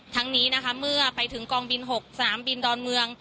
ทั้งนี้นะคะเมื่อไปถึงกองบิน๖สนามบินดอนเมือง